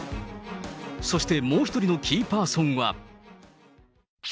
そして、もう１人のキーパーソンは。